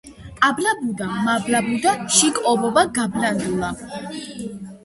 აბლაბუდა, მაბლაბუდა, შიგ ობობა გაბლანდულა